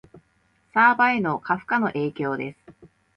サーバへの過負荷の影響です